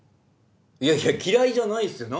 いやいや嫌いじゃないっすよ